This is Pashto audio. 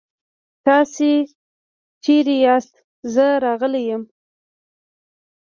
تاسې چيرته ياست؟ زه راغلی يم.